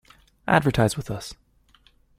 Advertise with us!